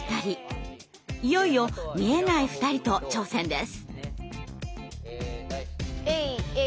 いよいよ見えない２人と挑戦です。